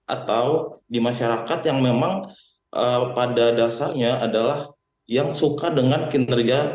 atau di masyarakat yang memang pada dasarnya adalah yang suka dengan kinerja